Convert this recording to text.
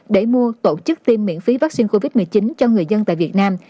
để mua tổ chức tiêm miễn phí vaccine covid một mươi chín cho người dân tại việt nam